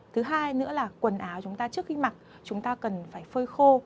thứ hai nữa là quần áo chúng ta trước khi mặc chúng ta cần phải phơi khô